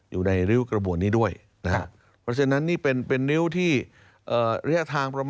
อยู่ในริ้วกระบวนนี้ด้วย